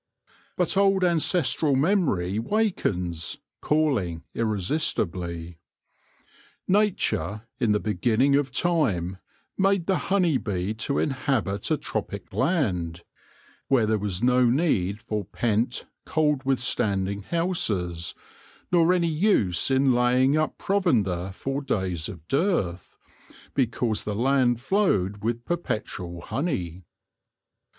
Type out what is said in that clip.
But old ancestral memory wakens, calling irresistibly. Nature, in the beginning of time, made the honey bee to inhabit a tropic land, where there was no need for pent, cold withstanding houses, nor any use in laying up provender for days of dearth, because the land flowed with perpetual honey.